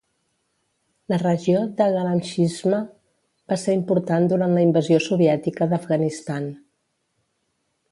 La regió de Garam Chishma va ser important durant la invasió soviètica d"Afghanistan.